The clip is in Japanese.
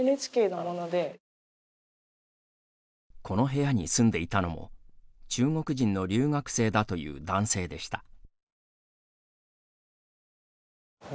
この部屋に住んでいたのも中国人の留学生だという男性でした。